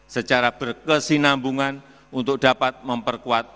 secara berkesinambungan untuk dapat memperkuat